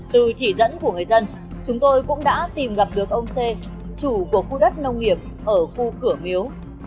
từ chỉ dẫn của người dân chúng tôi cũng đã tìm gặp được ông xê chủ của khu đất nông nghiệp ở khu cửa miếu